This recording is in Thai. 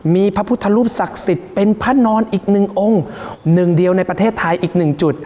มีพระพุทธรูปศักดิ์สิทธิ์เป็นพระนอนอีกหนึ่งองค์หนึ่งเดียวในประเทศไทยอีกหนึ่งจุด